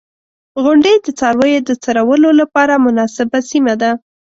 • غونډۍ د څارویو د څرولو لپاره مناسبه سیمه ده.